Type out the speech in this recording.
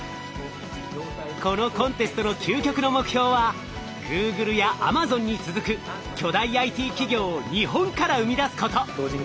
このコンテストの究極の目標はＧｏｏｇｌｅやＡｍａｚｏｎに続く巨大ＩＴ企業を日本から生み出すこと！